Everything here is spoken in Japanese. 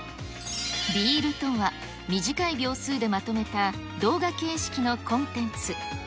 リールとは、短い秒数でまとめた動画形式のコンテンツ。